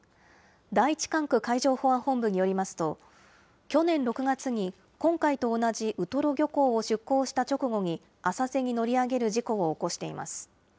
第１管区海上保安本部によりますと、去年６月に今回と同じウトロ漁港を出港した直後に、浅瀬に乗り上げる事故を起こしています。